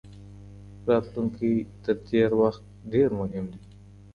راتلونکی تر تیر وخت ډیر مهم دی.